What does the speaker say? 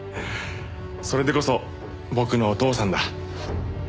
それでこそ僕のお義父さんだ。